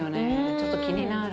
ちょっと気になる。